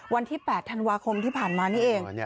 วันที่๘ธันวาคมที่ผ่านมานี่เอง